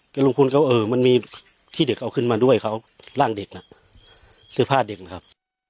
แต่ลุงพลเขาเออมันมีที่เด็กเอาขึ้นมาด้วยเขาร่างเด็กน่ะเสื้อผ้าเด็กนะครับ